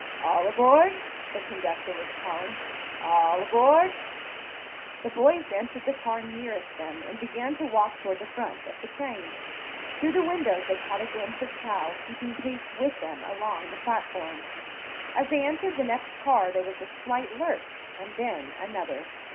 "All aboard!" the conductor was calling. "All aboard!" The boys entered the car nearest them and began to walk toward the front of the train. Through the windows they caught a glimpse of Cal, keeping pace with them along the platform. As they entered the next car there was a slight lurch, and then another.